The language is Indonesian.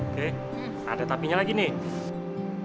oke ada tapi nya lagi nih